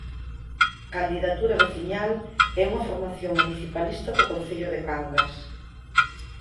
Candidatura Veciñal é unha formación municipalista do concello de Cangas.